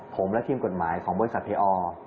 ผมและทีมกฎหมายของบริษัทพี่ออร์